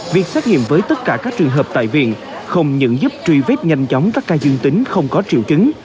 việc xét nghiệm với tất cả các trường hợp tại viện không những giúp truy vết nhanh chóng các ca dương tính không có triệu chứng